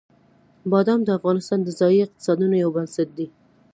بادام د افغانستان د ځایي اقتصادونو یو بنسټ دی.